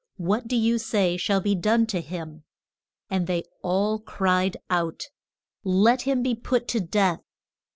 What do you say shall be done to him? And they all cried out, Let him be put to death!